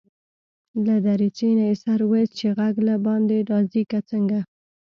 له دريڅې نه يې سر واېست چې غږ له باندي راځي که څنګه.